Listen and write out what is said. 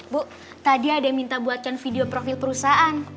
bu tadi ada yang minta buatkan video profil perusahaan